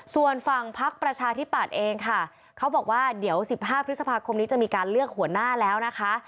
ส่วนฝั่งพักประชาธิปัตย์เองค่ะเขาบอกว่าเดี๋ยว๑๕พฤษภาคมนี้จะมีการเลือกหัวหน้าแล้วนะคะ